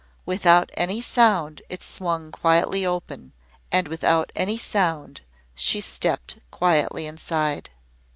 Without any sound it swung quietly open. And without any sound she stepped quietly inside.